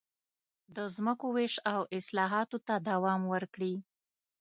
د ځمکو وېش او اصلاحاتو ته دوام ورکړي.